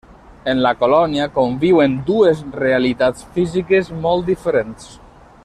En la colònia conviuen dues realitats físiques molt diferents.